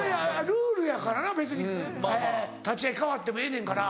ルールやからな別に立ち合い変わってもええねんから。